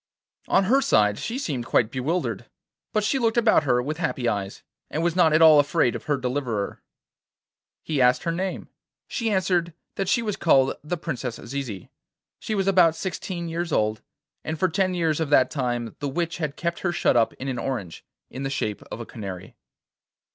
On her side she seemed quite bewildered, but she looked about her with happy eyes, and was not at all afraid of her deliverer. He asked her name. She answered that she was called the Princess Zizi; she was about sixteen years old, and for ten years of that time the witch had kept her shut up in an orange, in the shape of a canary.